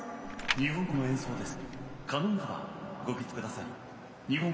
日本国歌の演奏です。